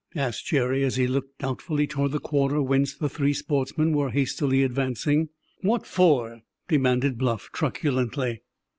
asked Jerry, as he looked doubtfully toward the quarter whence the three sportsmen were hastily advancing. "What for?" demanded Bluff truculently.